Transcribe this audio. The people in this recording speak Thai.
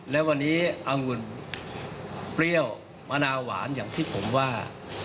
และวันนี้อังุ่นเปรี้ยวมะนาวหวานอย่างที่ผมว่า